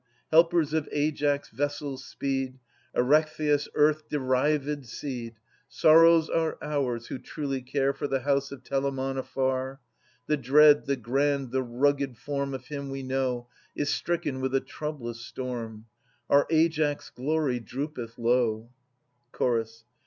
Helpers of Aias' vesseFs speed, Erechtheus' earth derived seed, Sorrows are ours who truly care For the house of Telamon afar. The dread, the grand, the rugged form Of him we know. Is stricken with a troublous storm; Our Aias' glory droopeth low. Chorus.